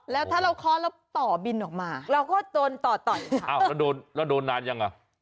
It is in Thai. แล้วถ้าเราเคาะเราต่อบินออกมาเราก็โดนต่อต่อยอ้าวแล้วโดนแล้วโดนนานยังอ่ะ